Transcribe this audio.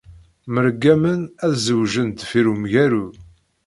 Mṛeggamen ad zewǧen deffir umgaru.